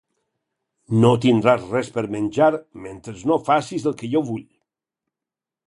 No tindràs res per menjar mentre no facis el que jo vull.